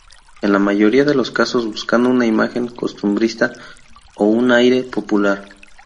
En la mayoría de los casos buscando una imagen costumbrista, o un aire popular.